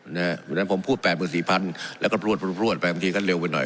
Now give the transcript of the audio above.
เพราะฉะนั้นผมพูด๘๔๐๐๐แล้วก็รวดไปบางทีก็เร็วไปหน่อย